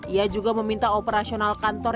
ia juga meminta operasional kantor